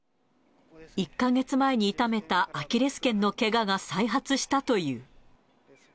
１か月前に痛めたアキレスけんのけがが再発したという。